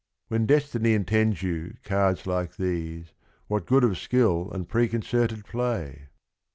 " When destiny intends you cards like these; What good of skill and preconcerted play?